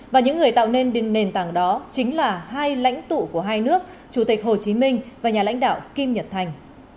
và những người tạo nên nền tảng đó chính là hai lãnh tụ của hai nước chủ tịch hồ chí minh và nhà lãnh đạo kim nhật thành